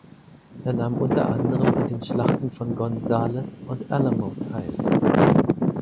Er nahm unter anderem an den Schlachten von Gonzales und Alamo teil.